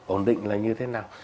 ổn định là như thế nào